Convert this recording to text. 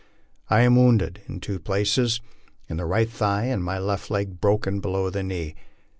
I am wounded in two places, in the right thigh and my left leg broken below the knee.